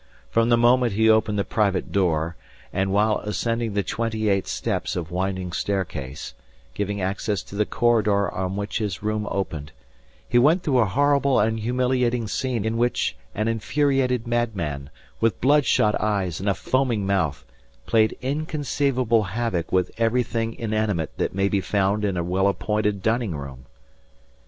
From the moment he opened the private door, and while ascending the twenty eight steps of winding staircase, giving access to the corridor on which his room opened, he went through a horrible and humiliating scene in which an infuriated madman, with bloodshot eyes and a foaming mouth, played inconceivable havoc with everything inanimate that may be found in a well appointed dining room.